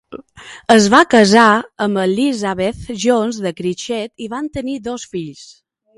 Es va casar amb Elizabeth Jones de Criccieth i van tenir dos fills.